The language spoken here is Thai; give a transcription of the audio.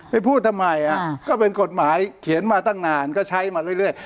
พูดทำไมก็เป็นกฎหมายเขียนมาตั้งนานก็ใช้มาเรื่อย